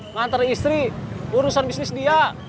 ngantar istri urusan bisnis dia